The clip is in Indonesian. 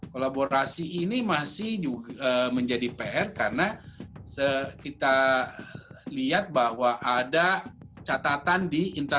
kolaborasi ini masih menjadi pr karena kita lihat bahwa ada catatan di internal